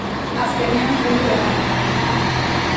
Azkenean, puntu banaketa.